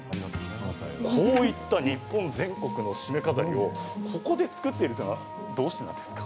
こういった日本全国のしめ飾りを、ここで作っているというのはどうしてなんですか。